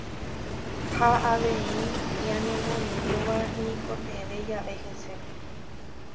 Ha avei ñanemoirũva ñaikotevẽ jave hese.